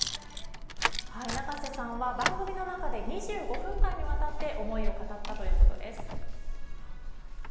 永瀬さんは番組の中で２５分間にわたって思いを語ったということです。